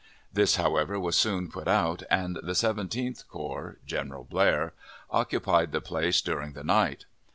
This, however, was soon put out, and the Seventeenth Corps (General Blair) occupied the place during that night.